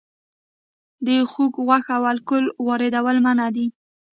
د خوګ غوښه او الکول واردول منع دي؟